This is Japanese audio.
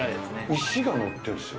石が載ってるんですよ。